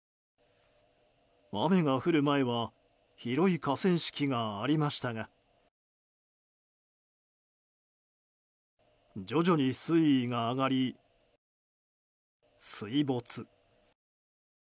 雨が降る前は広い河川敷がありましたが徐々に水位が上がり、水没。